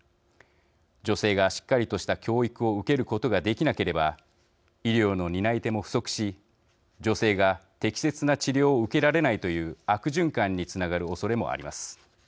女性がしっかりとした教育を受けることができなければ医療の担い手も不足し女性が適切な治療を受けられないという悪循環につながるおそれもあります。